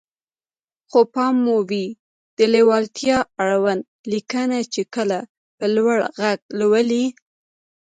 خو پام مو وي د ليوالتيا اړوند ليکنه چې کله په لوړ غږ لولئ.